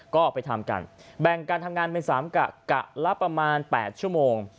ก็ไปทำกันแบ่งการทำงานเป็น๓กะละประมาณ๘ชั่วโมง